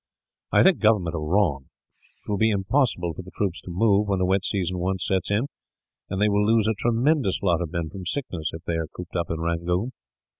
"I think government are wrong. It will be impossible for the troops to move, when the wet season once sets in; and they will lose a tremendous lot of men from sickness, if they are cooped up in Rangoon.